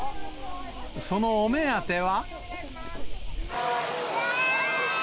そのお目当ては。